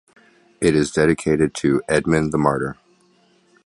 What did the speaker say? It is dedicated to Edmund the Martyr.